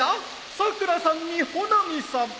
さくらさんに穂波さん。